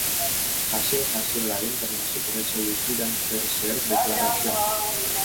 Hasil-hasil lain termasuk resolusi dan Fair Share Declaration.